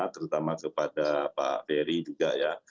terutama kepada pak ferry juga ya